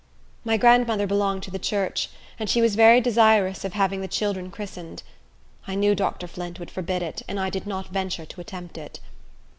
My grandmother belonged to the church; and she was very desirous of having the children christened. I knew Dr. Flint would forbid it, and I did not venture to attempt it.